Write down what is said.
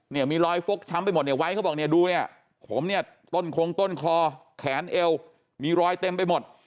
เนี่ยมีรอยฟกช้ำไปหมดเนี่ยไว้เขาบอกเนี่ยดูเนี่ยผมเนี่ยต้นคงต้นคอแขนเอวมีรอยเต็มไปหมด